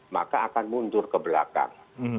maka akan mundur ke belakang